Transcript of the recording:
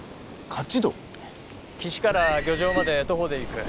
岸から漁場まで徒歩で行く。